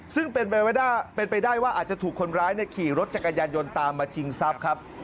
ซึ่งเป็นไปได้เป็นไปได้ว่าอาจจะถูกคนร้ายเนี่ยขี่รถจักรยานยนตามมาชิงทรัพย์ครับ